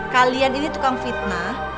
kalian ini tukang fitnah